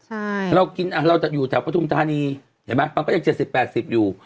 ถ้าเรากินอ่ะเราจะอยู่แถวประธุมธนีย์เห็นไหมประมาณก็ยัง๗๐๘๐อยู่